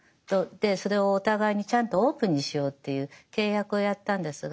それをお互いにちゃんとオープンにしようという契約をやったんですが。